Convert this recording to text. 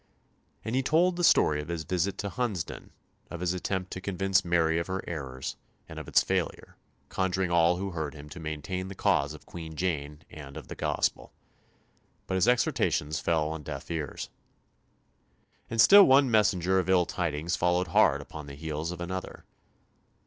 And he told the story of his visit to Hunsdon, of his attempt to convince Mary of her errors, and of its failure, conjuring all who heard him to maintain the cause of Queen Jane and of the Gospel. But his exhortations fell on deaf ears. And still one messenger of ill tidings followed hard upon the heels of another.